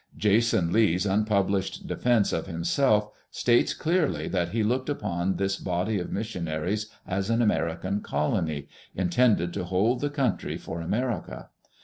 Jason Lee's unpublished defense of himself states clearly that he looked upon this body of missionaries as an American colony, in tended to hold the country for America.